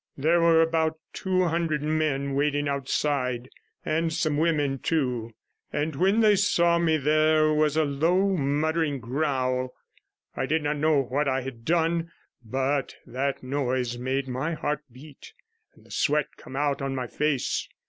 There were about two hundred men waiting outside, and some women too, and when they saw me there was a low muttering growl. I did not know what I had done, but that noise made my heart beat and the sweat come out on my face.